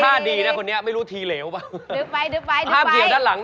ถ้าดีนะคนนี้ไม่รู้ทีเหลวบ้าง